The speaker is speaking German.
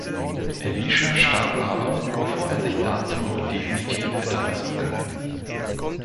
Elischa starb aber, bevor er sich dazu noch definitiv hätte äußern können.